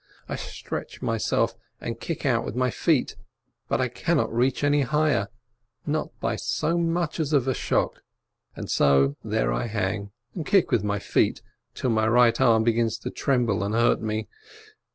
I stretch myself, and kick out with my feet, but I cannot reach any higher, not by so much as a vershok, and so there I hang and kick with my feet, till my right arm begins to tremble and hurt me.